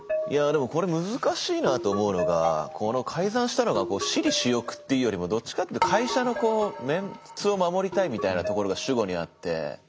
いやあでもこれ難しいなと思うのがこの改ざんしたのが私利私欲っていうよりもどっちかっていうと会社のメンツを守りたいみたいなところが主語にあって。